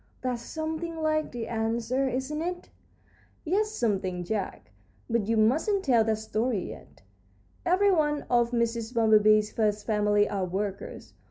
"That's something like the ants, sir, isn't it?" "Yes, something, Jack; but you mustn't tell that story yet. Every one of Mrs. Bumblebee's first family are workers.